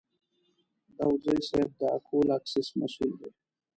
داوودزی صیب د اکول اکسیس مسوول دی.